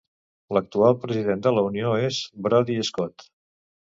L'actual president de la Unió és Brodie Scott.